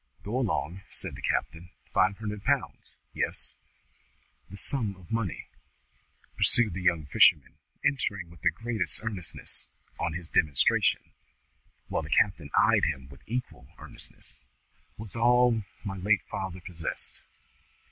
"Go along," said the captain. "Five hundred pounds? Yes?" "That sum of money," pursued the young fisherman, entering with the greatest earnestness on his demonstration, while the captain eyed him with equal earnestness, "was all my late father possessed.